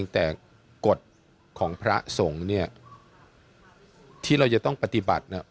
แต่กฎของพระสงฆ์เนี่ยที่เราจะต้องปฏิบัติเนี่ย